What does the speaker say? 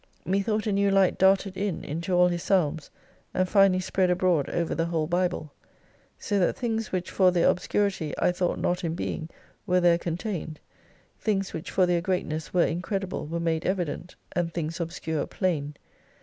Methought a new light darted in into a'l his psalms, and finally spread abroad over the whole Bible. So that things which for their obscurity I thought not in being were there contained : things which for their greatnesB were incredible were made evident, and things obscure plain.